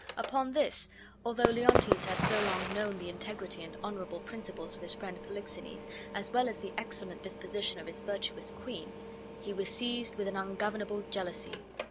Upon this, although Leontes had so long known the integrity and honorable principles of his friend Polixenes, as well as the excellent disposition of his virtuous queen, he was seized with an ungovernable jealousy.